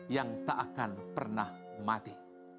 yang tak akan pernah mati